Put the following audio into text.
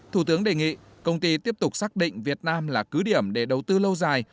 thủ tướng đề nghị công ty tiếp tục xác định việt nam là cứ điểm để đầu tư lâu dài